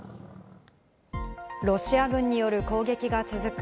ロシア軍による攻撃が続く